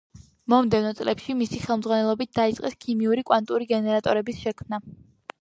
მომდევნო წლებში მისი ხელმძღვანელობით დაიწყეს ქიმიური კვანტური გენერატორების შექმნა.